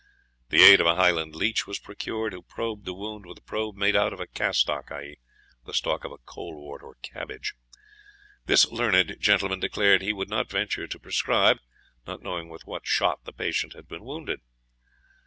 The aid of a Highland leech was procured, who probed the wound with a probe made out of a castock; i.e., the stalk of a colewort or cabbage. This learned gentleman declared he would not venture to prescribe, not knowing with what shot the patient had been wounded.